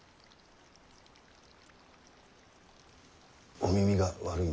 お耳が悪いのか。